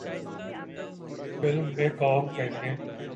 film میں کام کرنے